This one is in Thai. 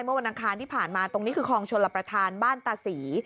วันอังคารที่ผ่านมาตรงนี้คือคลองชลประธานบ้านตาศรี